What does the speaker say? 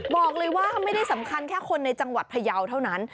บอกเลยว่าไม่ได้สำคัญแค่คนในจังหวัดพยาวเท่านั้น